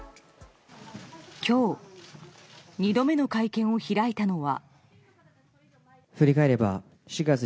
今日２度目の会見を開いたのは。